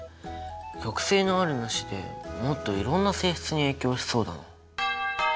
極性のあるなしでもっといろんな性質に影響しそうだ。